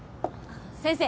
先生